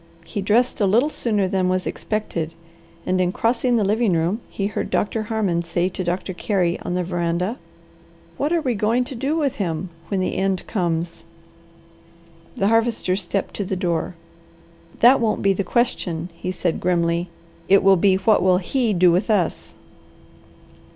He dressed a little sooner than was expected and in crossing the living room he heard Doctor Harmon say to Doctor Carey on the veranda, "What are we going to do with him when the end comes?" The Harvester stepped to the door. "That won't be the question," he said grimly. "It will be what will HE do with us?"